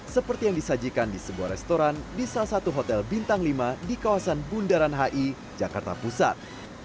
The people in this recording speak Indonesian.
seperti yang disajikan di sebuah restoran di salah satu hotel bintang lima di kawasan bundaran hi jakarta pusat